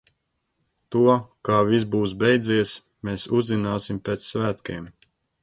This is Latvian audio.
To, kā viss būs beidzies, mēs uzzināsim pēc svētkiem.